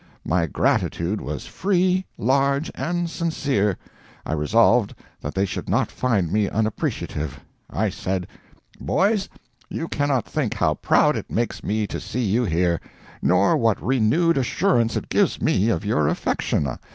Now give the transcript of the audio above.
My gratitude was free, large, and sincere. I resolved that they should not find me unappreciative. I said: "'Boys, you cannot think how proud it makes me to see you here, nor what renewed assurance it gives me of your affection.